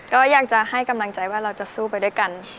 ก็อยากจะให้กำลังใจว่าเราจะสู้ไปด้วยกัน